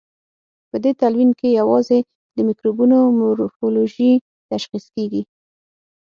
په دې تلوین کې یوازې د مکروبونو مورفولوژي تشخیص کیږي.